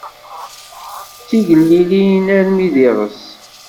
D tigellilin armi d iɣes.